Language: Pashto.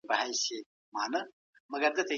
مورنۍ ژبه د ملا تیر په څیر ده که مات شو بیا نه جوړیږی.